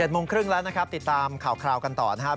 โมงครึ่งแล้วนะครับติดตามข่าวกันต่อนะครับ